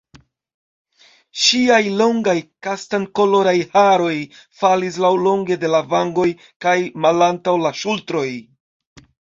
Ŝiaj longaj kastankoloraj haroj falis laŭlonge de la vangoj kaj malantaŭ la ŝultroj.